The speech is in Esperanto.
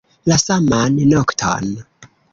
La saman nokton.